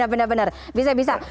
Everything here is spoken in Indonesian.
benar benar bisa bisa